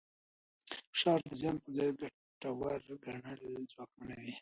فشار د زیان پر ځای ګټور ګڼل ځواکمنوي.